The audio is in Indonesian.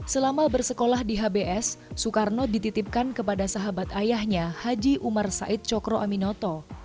selama bersekolah di hbs soekarno dititipkan kepada sahabat ayahnya haji umar said cokro aminoto